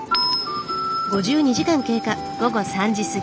午後３時過ぎ。